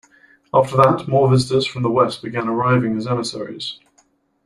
After that, more visitors from the west began arriving as emissaries.